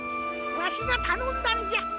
わしがたのんだんじゃ。